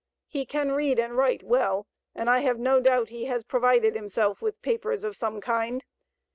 He can read and write well, and I have no doubt he has provided himself with papers of some kind.